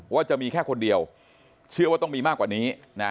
ว่าจะมีแค่คนเดียวเชื่อว่าต้องมีมากกว่านี้นะ